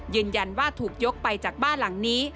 ยืนยันว่าถูกยกไปจากบ้านหลังนี้